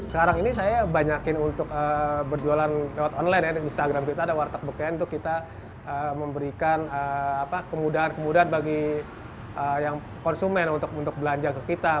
sekarang ini saya banyakin untuk berjualan lewat online ya di instagram kita ada warteg bekayaan untuk kita memberikan kemudahan kemudahan bagi konsumen untuk belanja ke kita